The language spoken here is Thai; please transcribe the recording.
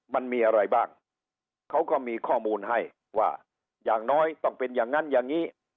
มันมีอะไรบ้างเขาก็มีข้อมูลให้ว่าอย่างน้อยต้องเป็นอย่างนั้นอย่างนี้